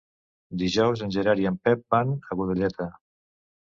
Dijous en Gerard i en Pep van a Godelleta.